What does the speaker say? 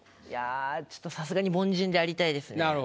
いやちょっとさすがに凡人でありたいですね。